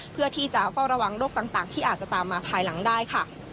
เพื่อที่จะเฝ้าระวังโรคต่างที่อาจจะตามมาภายหลังได้ค่ะ